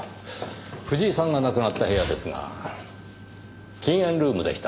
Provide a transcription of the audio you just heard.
藤井さんが亡くなった部屋ですが禁煙ルームでした。